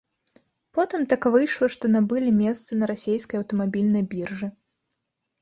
Потым так выйшла, што набылі месца на расейскай аўтамабільнай біржы.